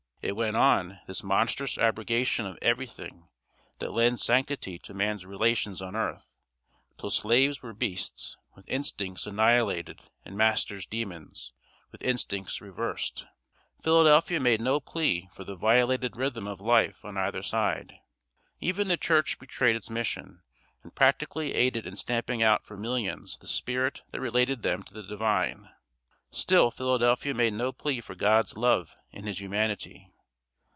It went on, this monstrous abrogation of everything that lends sanctity to man's relations on earth, till slaves were beasts, with instincts annihilated, and masters demons, with instincts reversed; Philadelphia made no plea for the violated rhythm of life on either side. Even the Church betrayed its mission, and practically aided in stamping out from millions the spirit that related them to the Divine; still Philadelphia made no plea for God's love in his humanity.